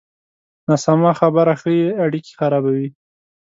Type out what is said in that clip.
ناسمه خبره ښې اړیکې خرابوي.